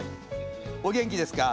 お元気ですか？